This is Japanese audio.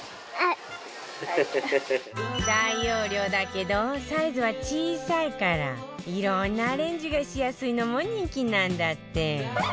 大容量だけどサイズは小さいからいろんなアレンジがしやすいのも人気なんだって